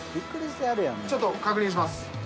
ちょっと確認します。